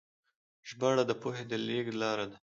ژباړه د پوهې د لیږد لاره ده.